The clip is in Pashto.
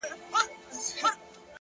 پخوا د كلي په گودر كي جـادو.!